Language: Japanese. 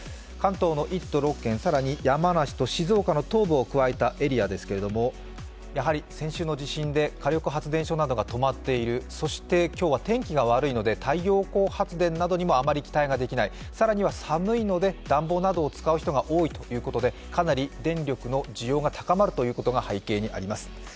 関東の１都６県さらに山梨と静岡の東部を加えたエリアですけどやはり先週の地震で火力発電所などが止まっている、そして今日は天気が悪いので太陽光発電などにもあまり期待ができない更には寒いので暖房を使う人が多いということでかなり電力の需要が高まるということが背景にあります。